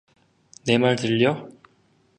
내 말 들려?